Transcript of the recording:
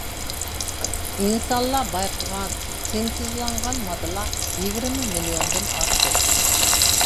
ئىنسانلار بايقىغان سىنتېزلانغان ماددىلار يىگىرمە مىليوندىن ئارتۇق.